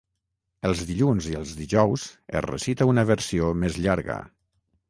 Els dilluns i els dijous, es recita una versió més llarga.